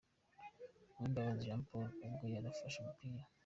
Uwimbabazi Jean Paul ubwo yari afashe umupira.